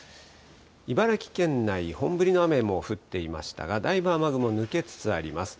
茨城県内、本降りの雨も降っていましたが、だいぶ雨雲、抜けつつあります。